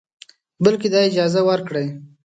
بلکې دا اجازه ورکړئ